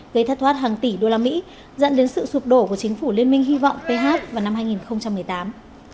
gây thất thoát hàng tỷ usd dẫn đến sự sụp đổ của chính phủ liên minh hy vọng ph vào năm hai nghìn một mươi tám